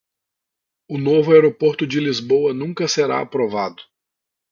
O novo aeroporto de Lisboa nunca será aprovado!